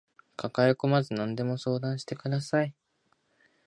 抱えこまず何でも相談してください